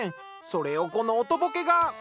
それをこのおとぼけが。